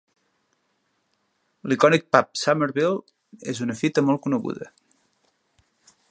L'icònic pub Somerville és una fita molt coneguda.